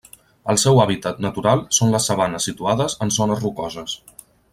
El seu hàbitat natural són les sabanes situades en zones rocoses.